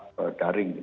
ee daring gitu